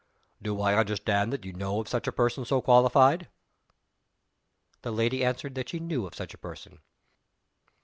Do I understand that you know of such a person so qualified?" The lady answered that she knew of such a person.